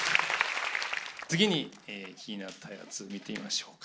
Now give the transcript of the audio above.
次に気になったやつ見てみましょうか。